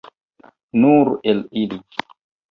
Nur el ili.